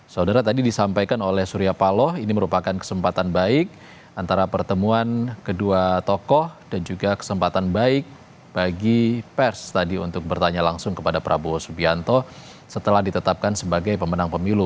saudara tadi disampaikan oleh surya paloh ini merupakan kesempatan baik antara pertemuan kedua tokoh dan juga kesempatan baik bagi pers tadi untuk bertanya langsung kepada prabowo subianto setelah ditetapkan sebagai pemenang pemilu